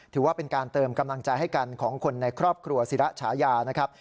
ถือว่าเป็นการเติมกำลังใจให้กันของคนในครอบครัวศิระฉายานะครับ